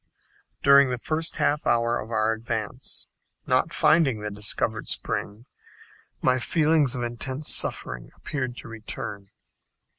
During the first half hour of our advance, not finding the discovered spring, my feelings of intense suffering appeared to return.